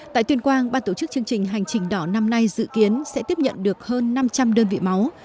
tại tuyên quang ban tổ chức chương trình hành trình đỏ năm nay dự kiến sẽ tiếp nhận được hơn năm trăm linh đơn vị máu